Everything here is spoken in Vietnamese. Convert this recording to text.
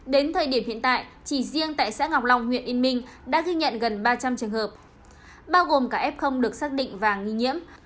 đến thời điểm hiện tại chỉ riêng tại xã ngọc long huyện yên minh đã ghi nhận gần ba trăm linh trường hợp bao gồm cả f được xác định và nghi nhiễm